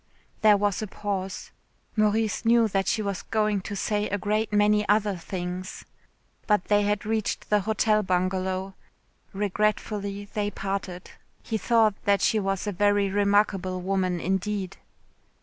There was a pause. Maurice knew that she was going to say a great many other things. But they had reached the Hotel Bungalow. Regretfully they parted. He thought that she was a very remarkable woman indeed.